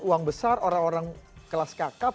uang besar orang orang kelas kakap